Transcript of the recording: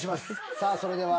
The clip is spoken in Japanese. さあそれでは。